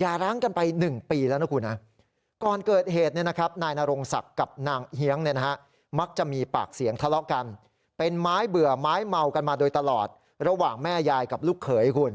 หย่าร้างกันไป๑ปีแล้วนะครับคุณ